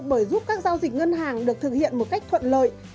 bởi giúp các giao dịch ngân hàng được thực hiện một cách thuận lợi